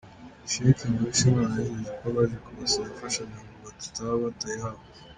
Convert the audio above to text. sheik Mbarushimana yijeje ko abaje kubasaba imfashanyo ngo badataha batayihawe.